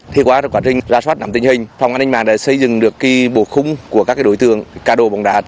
thì qua quá trình ra soát nằm tình hình phòng an ninh mạng đã xây dựng được cái bộ khung của các đối tương cá đồ bóng đá